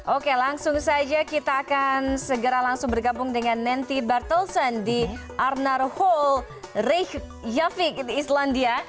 oke langsung saja kita akan segera langsung bergabung dengan nenty bartelsen di arnar hall reykjavik islandia